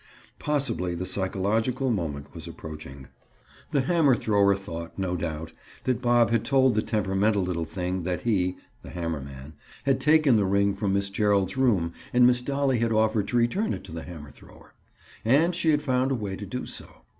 Possibly the psychological moment was approaching. The hammer thrower thought, no doubt, that Bob had told the temperamental little thing that he (the hammer man) had taken the ring from Miss Gerald's room and Miss Dolly had offered to return it to the hammer thrower. And she had found a way to do so.